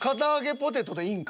ポテトでいいんか？